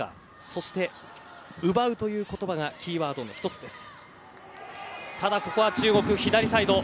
そして、奪うという言葉がキーワードの１つです。